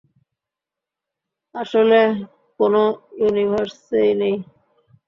আসলে কোনো ইউনিভার্সেই নেই।